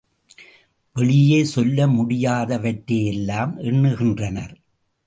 வெளியே சொல்ல முடியாதவற்றையெல்லாம் எண்ணுகின்றனர்.